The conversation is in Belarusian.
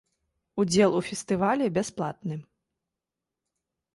Удзел у фестывалі бясплатны.